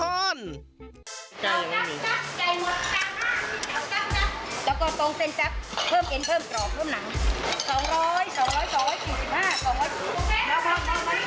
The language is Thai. กล่องเซ็นจั๊บเพิ่มเอ็นเพิ่มกรอบเพิ่มหนัง